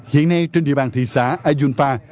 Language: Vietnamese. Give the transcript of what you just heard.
hiện nay trên địa bàn thị xã ayunpa